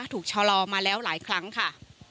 ชะลอมาแล้วหลายครั้งค่ะ